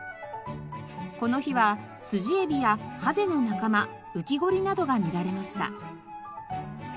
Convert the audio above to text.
この日はスジエビやハゼの仲間ウキゴリなどが見られました。